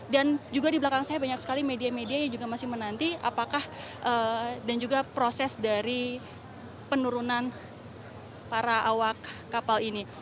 dan juga di belakang saya banyak sekali media media yang juga masih menanti apakah dan juga proses dari penurunan para awak kapal ini